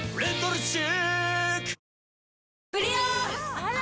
あら！